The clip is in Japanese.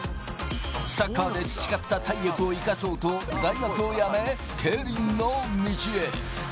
サッカーで培った体力を生かそうと、大学をやめ、競輪の道へ。